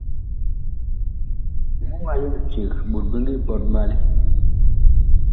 Muŋ a yeŋ eceg ɓot bi ngi pɔt mɓalɛ.